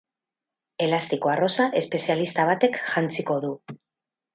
Elastiko arrosa espezialista batek jantziko du.